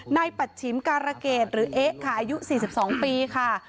ในปัจฉิมการรเกตหรือเอ๊ะค่ะอายุสี่สิบสองปีค่ะ